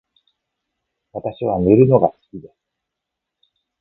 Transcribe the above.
私は寝るのが好きです